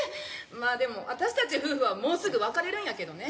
まあでも私たち夫婦はもうすぐ別れるんやけどね。